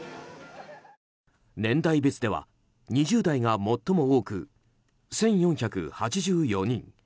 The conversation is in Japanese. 年代別では２０代が最も多く１４８４人。